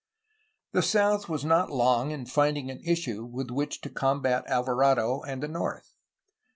The south was not long in finding an issue with which to combat Alvarado and the north.